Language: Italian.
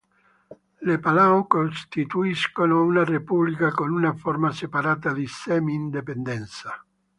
Le Palau costituiscono una Repubblica, con una forma separata di semi-indipendenza.